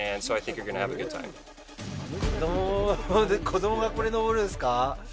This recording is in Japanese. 子供がこれ登るんですか。